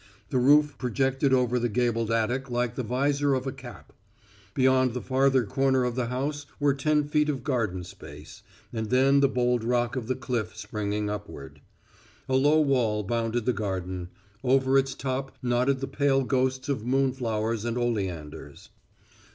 The roof projected over the gabled attic like the visor of a cap. Beyond the farther corner of the house were ten feet of garden space, and then the bold rock of the cliff springing upward. A low wall bounded the garden; over its top nodded the pale ghosts of moonflowers and oleanders.